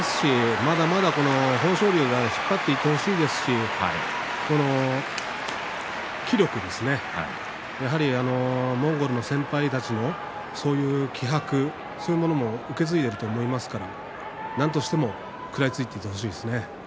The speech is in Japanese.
まだまだ豊昇龍には引っ張っていってほしいですし気力ですねモンゴルの先輩たちのそういう気迫そういうものも受け継いでいると思いますのでなんとしても食らいついていってほしいですね。